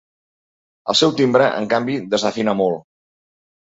El seu timbre, en canvi, desafina molt.